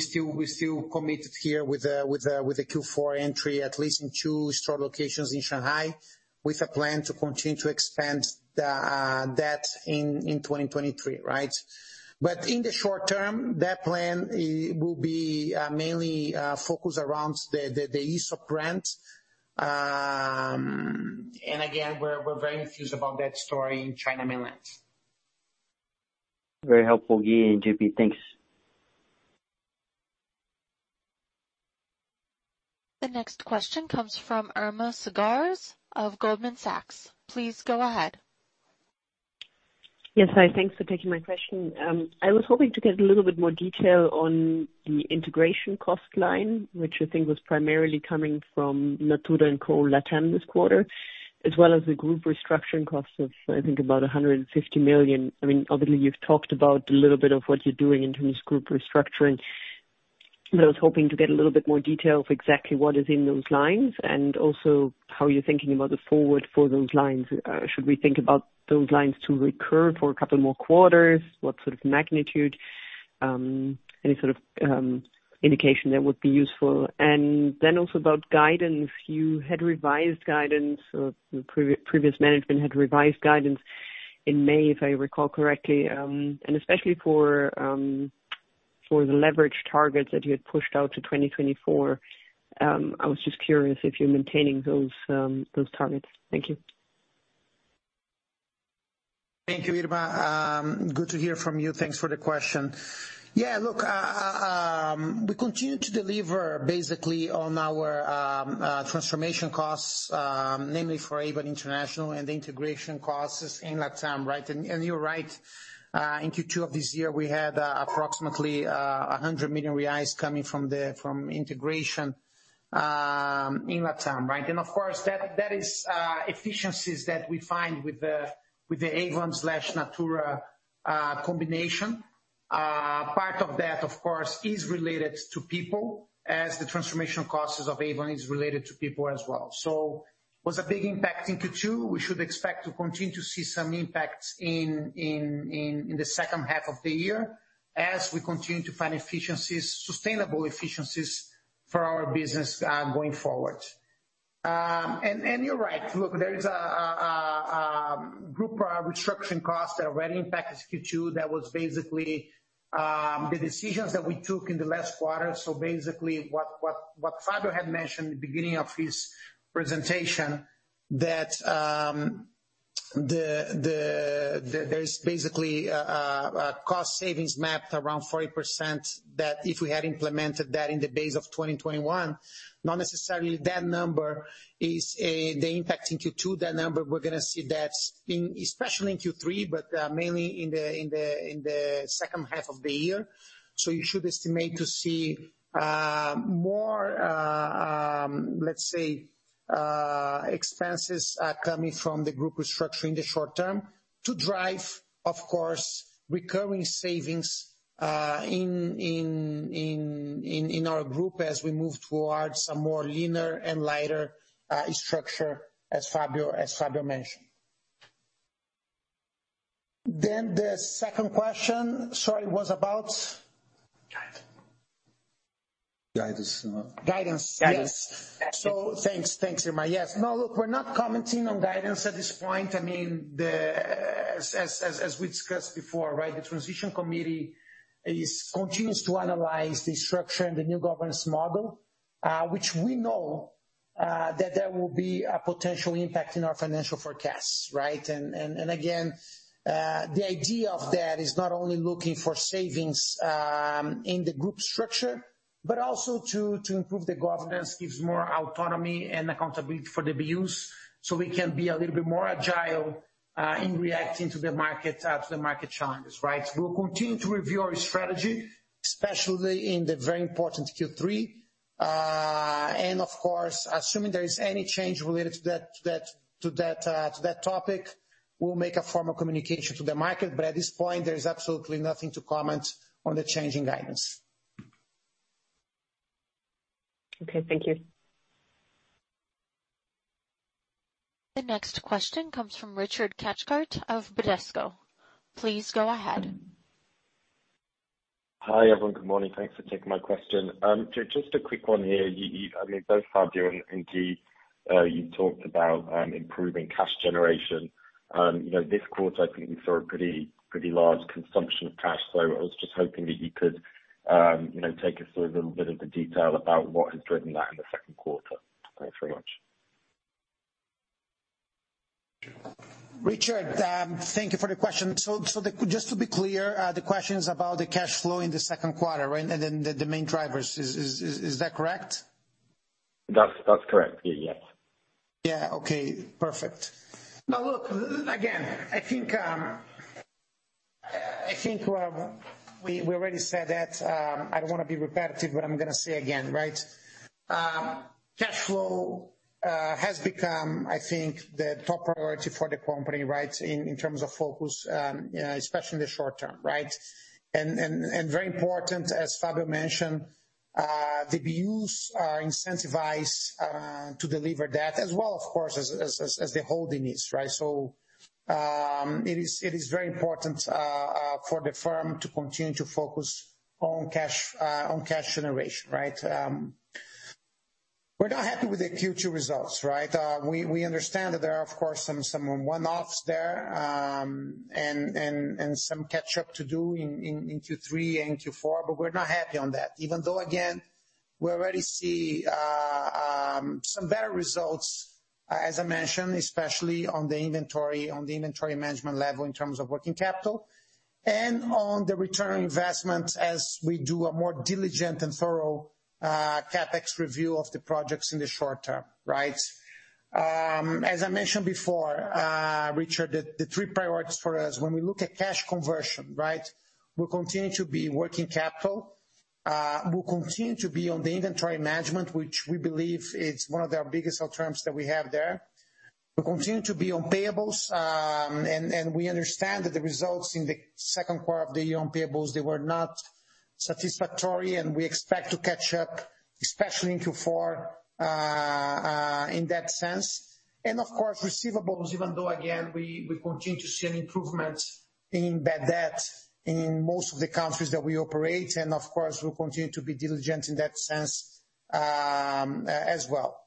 still committed here with a Q4 entry, at least in two store locations in Shanghai, with a plan to continue to expand that in 2023, right? In the short term, that plan will be mainly focused around the Aesop brand. We're very enthused about that story in mainland China. Very helpful, Gui and JP. Thanks. The next question comes from Irma Sgarz of Goldman Sachs. Please go ahead. Yes. Hi, thanks for taking my question. I was hoping to get a little bit more detail on the integration cost line, which I think was primarily coming from Natura & Co LatAm this quarter, as well as the group restructuring cost of, I think, about 150 million. I mean, obviously, you've talked about a little bit of what you're doing in terms of group restructuring, but I was hoping to get a little bit more detail of exactly what is in those lines and also how you're thinking about the forward for those lines. Should we think about those lines to recur for a couple more quarters? What sort of magnitude? Any sort of indication there would be useful. Then also about guidance. You had revised guidance, or the previous management had revised guidance in May, if I recall correctly. Especially for the leverage targets that you had pushed out to 2024. I was just curious if you're maintaining those targets. Thank you. Thank you, Irma. Good to hear from you. Thanks for the question. Yeah, look, we continue to deliver basically on our transformation costs, namely for Avon International and the integration costs in LatAm, right? You're right, in Q2 of this year, we had approximately 100 million reais coming from integration in LatAm, right? Of course, that is efficiencies that we find with the Avon/Natura combination. Part of that, of course, is related to people as the transformation costs of Avon is related to people as well. Was a big impact in Q2. We should expect to continue to see some impacts in the second half of the year as we continue to find efficiencies, sustainable efficiencies for our business, going forward. You're right. Look, there is a group restructuring costs that already impacted Q2. That was basically the decisions that we took in the last quarter. Basically what Fábio had mentioned at the beginning of his presentation, that there's basically a cost savings map around 40% that if we had implemented that in the base of 2021, not necessarily that number is the impact in Q2. That number, we're gonna see that in, especially in Q3, but mainly in the second half of the year. You should estimate to see more, let's say, expenses coming from the group restructuring in the short term to drive, of course, recurring savings in our group as we move towards a more leaner and lighter structure, as Fábio mentioned. The second question, sorry, was about? Guidance. Guidance. Yes. Guidance. Thanks. Thanks, Irma. Yes. No, look, we're not commenting on guidance at this point. I mean, as we discussed before, right, the transition committee continues to analyze the structure and the new governance model, which we know that there will be a potential impact in our financial forecasts, right? And again, the idea of that is not only looking for savings in the group structure, but also to improve the governance, gives more autonomy and accountability for the BUs, so we can be a little bit more agile in reacting to the market, to the market challenges, right? We'll continue to review our strategy, especially in the very important Q3. Of course, assuming there is any change related to that topic, we'll make a formal communication to the market. At this point, there is absolutely nothing to comment on the change in guidance. Okay, thank you. The next question comes from Ruben Couto of Bradesco. Please go ahead. Hi, everyone. Good morning. Thanks for taking my question. Just a quick one here. I mean, both Fábio and indeed, you talked about improving cash generation. You know, this quarter, I think we saw a pretty large consumption of cash. I was just hoping that you could, you know, take us through a little bit of the detail about what has driven that in the second quarter. Thanks very much. Ruben, thank you for the question. Just to be clear, the question is about the cash flow in the second quarter, right? Then the main drivers. Is that correct? That's correct. Yeah, yes. Yeah, okay. Perfect. Now look, again, I think we already said that. I don't wanna be repetitive, but I'm gonna say again, right? Cash flow has become, I think, the top priority for the company, right? In terms of focus, especially in the short term, right? Very important, as Fábio mentioned, the BUs are incentivized to deliver that as well, of course, as the holding is, right? It is very important for the firm to continue to focus on cash generation, right? We're not happy with the Q2 results, right? We understand that there are of course some one-offs there, and some catch up to do in Q3 and Q4, but we're not happy on that. Even though again, we already see some better results, as I mentioned, especially on the inventory management level in terms of working capital. On the return on investment as we do a more diligent and thorough CapEx review of the projects in the short term, right? As I mentioned before, Ruben, the three priorities for us when we look at cash conversion, right, will continue to be working capital, will continue to be on the inventory management, which we believe is one of our biggest turns that we have there, will continue to be on payables. We understand that the results in the second quarter of the year on payables were not satisfactory, and we expect to catch up, especially in Q4, in that sense. Of course, receivables, even though again we continue to see an improvement in bad debt in most of the countries that we operate. Of course, we'll continue to be diligent in that sense, as well.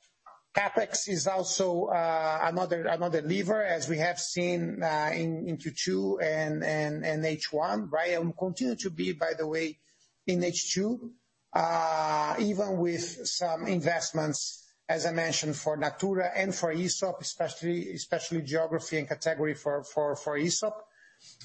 CapEx is also another lever, as we have seen in Q2 and H1, right? Will continue to be, by the way, in H2, even with some investments, as I mentioned, for Natura and for Aesop, especially geography and category for Aesop.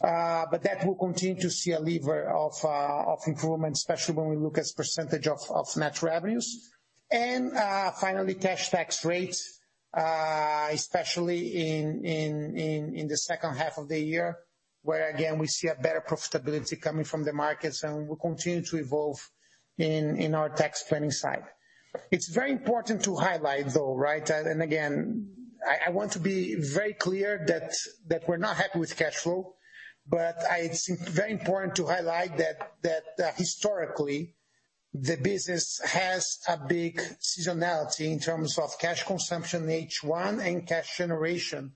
But that will continue to see a lever of improvement, especially when we look as percentage of net revenues. Finally, cash tax rates, especially in the second half of the year, where again, we see a better profitability coming from the markets and we continue to evolve in our tax planning side. It's very important to highlight though, right, and again, I want to be very clear that we're not happy with cash flow, but I think it's very important to highlight that historically, the business has a big seasonality in terms of cash consumption in H1 and cash generation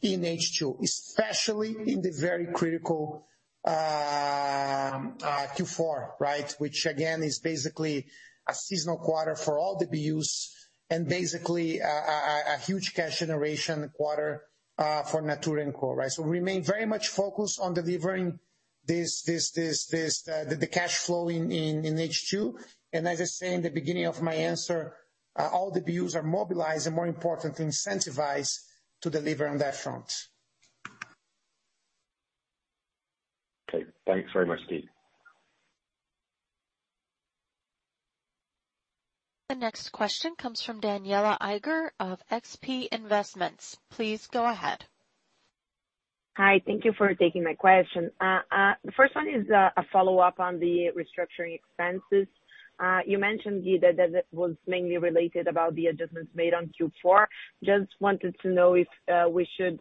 in H2, especially in the very critical Q4, right? Which again is basically a seasonal quarter for all the BUs and basically a huge cash generation quarter for Natura & Co, right? We remain very much focused on delivering the cash flow in H2. As I said in the beginning of my answer, all the BUs are mobilized and more importantly incentivized to deliver on that front. Okay. Thanks very much, Guilherme Castellan. The next question comes from Danniela Eiger of XP Investimentos. Please go ahead. Hi. Thank you for taking my question. The first one is a follow-up on the restructuring expenses. You mentioned that it was mainly related about the adjustments made on Q4. Just wanted to know if we should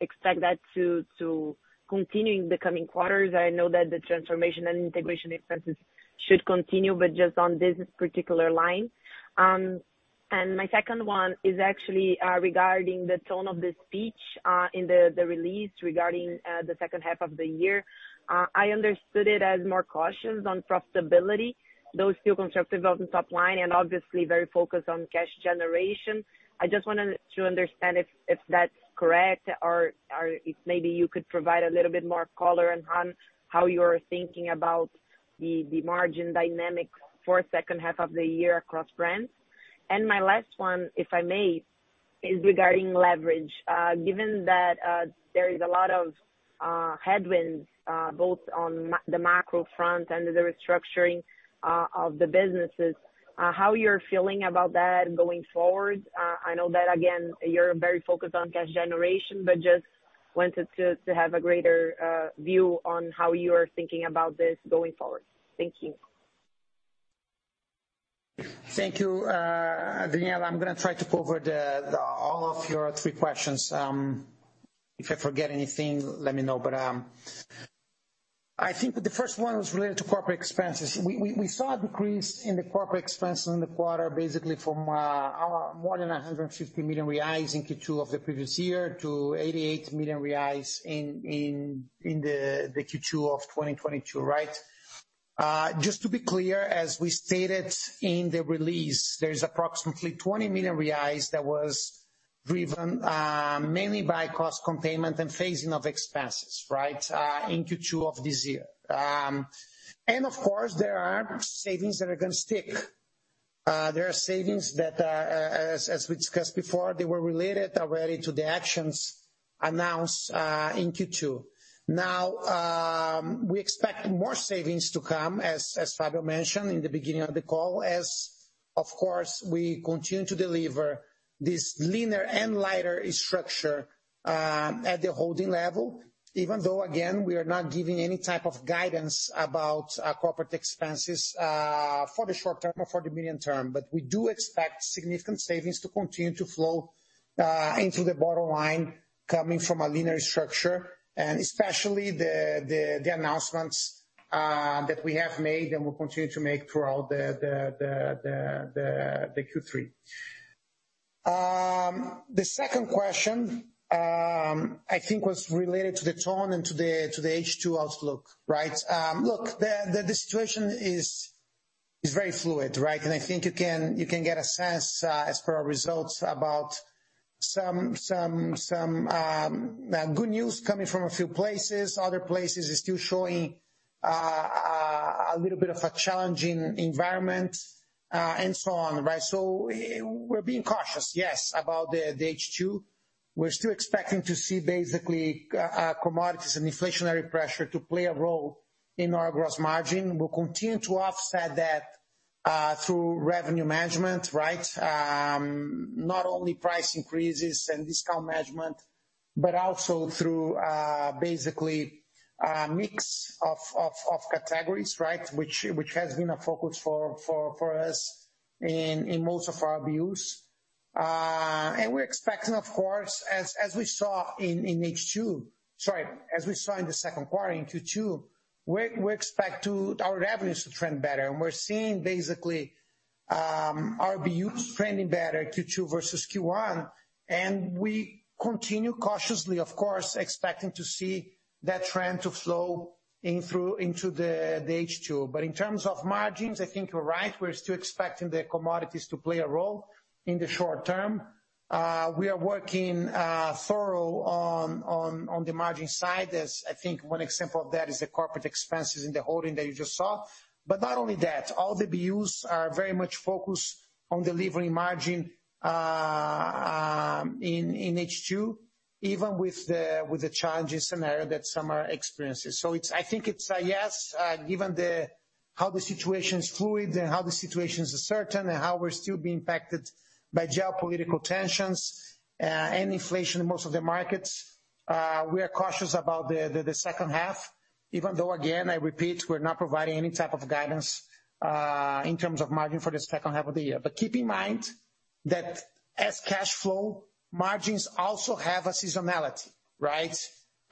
expect that to continue in the coming quarters. I know that the transformation and integration expenses should continue, but just on this particular line. My second one is actually regarding the tone of the speech in the release regarding the second half of the year. I understood it as more cautious on profitability, though still constructive on the top line and obviously very focused on cash generation. I just wanted to understand if that's correct or if maybe you could provide a little bit more color on how you're thinking about the margin dynamics for second half of the year across brands. My last one, if I may, is regarding leverage. Given that there is a lot of headwinds both on the macro front and the restructuring of the businesses, how you're feeling about that going forward. I know that again, you're very focused on cash generation, but just wanted to have a greater view on how you are thinking about this going forward. Thank you. Thank you, Danniela. I'm gonna try to cover all of your three questions. If I forget anything, let me know. I think the first one was related to corporate expenses. We saw a decrease in the corporate expense in the quarter, basically from our more than 150 million reais in Q2 of the previous year to 88 million reais in the Q2 of 2022, right? Just to be clear, as we stated in the release, there's approximately 20 million reais that was driven mainly by cost containment and phasing of expenses, right, in Q2 of this year. Of course, there are savings that are gonna stick. There are savings that, as we discussed before, they were related already to the actions announced in Q2. Now, we expect more savings to come, as Fábio mentioned in the beginning of the call, as of course, we continue to deliver this leaner and lighter structure at the holding level. Even though, again, we are not giving any type of guidance about our corporate expenses for the short term or for the medium term. We do expect significant savings to continue to flow into the bottom line coming from a leaner structure, and especially the announcements that we have made and will continue to make throughout the Q3. The second question, I think was related to the tone and to the H2 outlook, right? Look, the situation is very fluid, right? I think you can get a sense as per our results about some good news coming from a few places. Other places are still showing a little bit of a challenging environment and so on, right? We're being cautious, yes, about the H2. We're still expecting to see basically commodities and inflationary pressure to play a role in our gross margin. We'll continue to offset that through revenue management, right? Not only price increases and discount management, but also through basically a mix of categories, right, which has been a focus for us in most of our views. We're expecting, of course, as we saw in the second quarter in Q2, we expect our revenues to trend better. We're seeing basically our views trending better, Q2 versus Q1, and we continue cautiously, of course, expecting to see that trend flow into the H2. In terms of margins, I think you're right. We're still expecting the commodities to play a role in the short term. We are working thoroughly on the margin side, as I think one example of that is the corporate expenses in the holding that you just saw. Not only that, all the BUs are very much focused on delivering margin in H2, even with the challenging scenario that some are experiencing. I think it's a yes, given how the situation is fluid and how the situation is uncertain and how we're still being impacted by geopolitical tensions, and inflation in most of the markets. We are cautious about the second half, even though, again, I repeat, we're not providing any type of guidance in terms of margin for the second half of the year. Keep in mind that as cash flow margins also have a seasonality, right?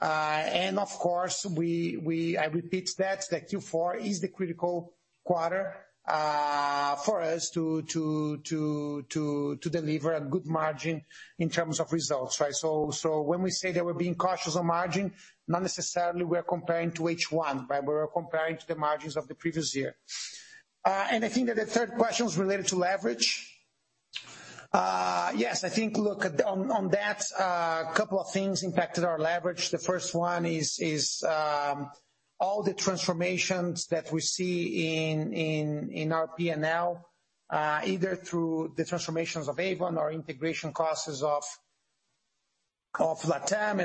Of course, I repeat that Q4 is the critical quarter for us to deliver a good margin in terms of results, right? When we say that we're being cautious on margin, not necessarily we are comparing to H1, but we're comparing to the margins of the previous year. I think that the third question was related to leverage. Yes. I think, look, on that, a couple of things impacted our leverage. The first one is all the transformations that we see in our P&L, either through the transformations of Avon or integration costs of Latam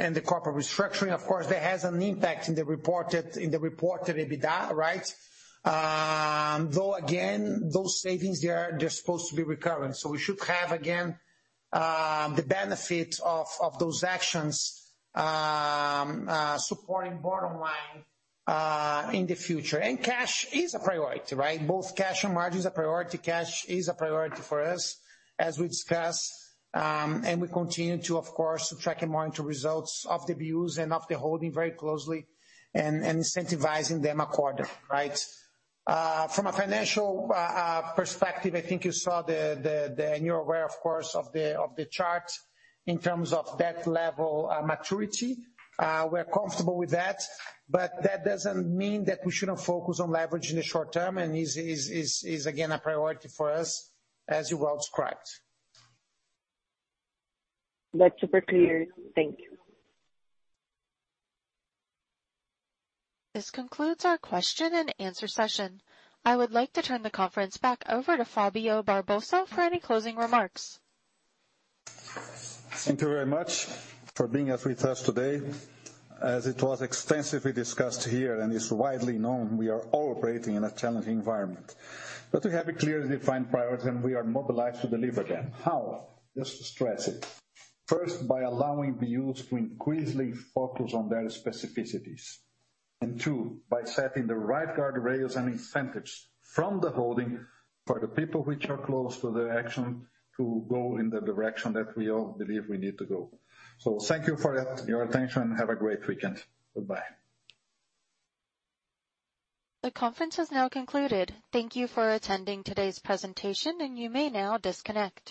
and the corporate restructuring. Of course, that has an impact in the reported EBITDA, right? Though, again, those savings, they're supposed to be recurring. We should have, again, the benefit of those actions supporting bottom line in the future. Cash is a priority, right? Both cash and margin is a priority. Cash is a priority for us, as we discussed. We continue to, of course, to track and monitor results of the BUs and of the holding very closely and incentivizing them a quarter, right? From a financial perspective, I think you saw the chart and you're aware, of course, of the chart in terms of debt level, maturity. We're comfortable with that, but that doesn't mean that we shouldn't focus on leverage in the short term, and is again a priority for us as you well described. That's super clear. Thank you. This concludes our question and answer session. I would like to turn the conference back over to Fábio Barbosa for any closing remarks. Thank you very much for being with us today. As it was extensively discussed here and is widely known, we are all operating in a challenging environment. We have a clearly defined priority, and we are mobilized to deliver them. How? Just to stress it. First, by allowing BUs to increasingly focus on their specificities. Two, by setting the right guardrails and incentives from the holding for the people which are close to the action to go in the direction that we all believe we need to go. Thank you for your attention. Have a great weekend. Goodbye. The conference has now concluded. Thank you for attending today's presentation, and you may now disconnect.